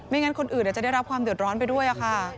งั้นคนอื่นอาจจะได้รับความเดือดร้อนไปด้วยค่ะ